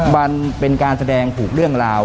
มันเป็นการแสดงถูกเรื่องราว